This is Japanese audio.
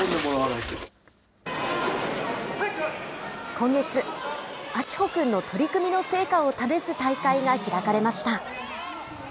今月、明峰君の取り組みの成果を試す大会が開かれました。